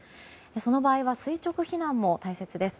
その場合は垂直避難も大切です。